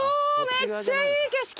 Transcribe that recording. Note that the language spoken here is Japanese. めっちゃいい景色！